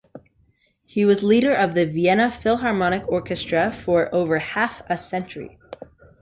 He was leader of the Vienna Philharmonic Orchestra for over half a century.